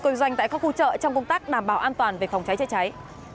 công doanh tại các khu chợ trong công tác đảm bảo an toàn về phòng cháy cháy cháy